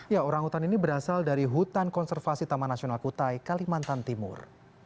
ya orang utan ini berasal dari hutan konservasi taman nasional kutai kalimantan timur